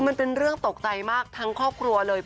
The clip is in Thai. มันเป็นเรื่องตกใจมากทั้งครอบครัวเลย